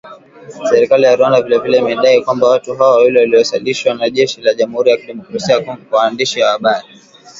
Serikali ya Rwanda vile vile imedai kwamba watu hao wawili walioasilishwa na jeshi la Jamuhuri ya Kidemokrasia ya Congo kwa waandishi wa habari